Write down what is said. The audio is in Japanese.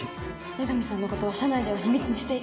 江上さんの事は社内では秘密にしていたんです。